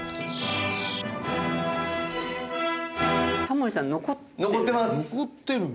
タモリさん残ってる。